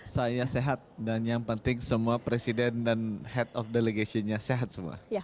saya sehat dan yang penting semua presiden dan head of delegation nya sehat semua